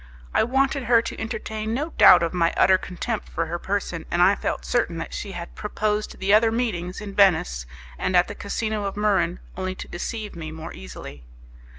I wanted her to entertain no doubt of my utter contempt for her person, and I felt certain that she had proposed the other meetings in Venice and at the casino of Muran only to deceive me more easily.